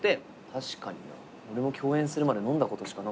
確かにな。俺も共演するまで飲んだことしかなかったな。